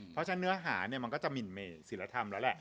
เพราะฉะนั้นเนื้อหาเนี่ยมันก็จะหมินเมศิลธรรมแล้วแหละ